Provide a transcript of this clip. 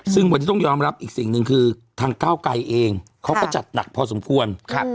ซึ่งวันนี้ต้องยอมรับอีกสิ่งหนึ่งคือทางก้าวไกรเองเขาก็จัดหนักพอสมควร